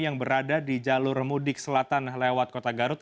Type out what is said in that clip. yang berada di jalur mudik selatan lewat kota garut